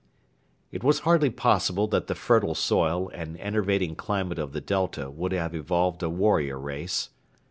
It was hardly possible that the fertile soil and enervating climate of the Delta would have evolved a warrior race.